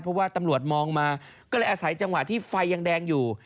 เพราะว่าตำรวจมองมาก็เลยอาศัยจังหวะที่ไฟยังแดงอยู่